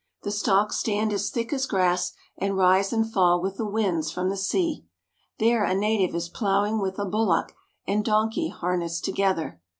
The stalks stand as thick as grass, and rise and fall with the winds from the sea. There a native is ploughing with a bullock and don key harnessed together.